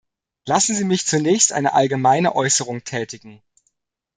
Lassen Sie mich zunächst eine allgemeine Äußerung tätigen.